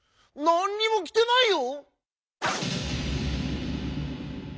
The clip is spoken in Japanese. なにもきてないよ」。